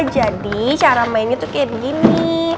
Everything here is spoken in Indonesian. jadi cara mainnya tuh kayak gini